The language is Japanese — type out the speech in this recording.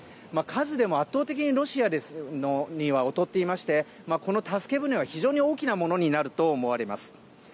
数でも圧倒的にロシアには劣っていましてこの助け舟は非常に大きなものになると思われます。